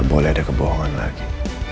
boleh ada kebohongan lagi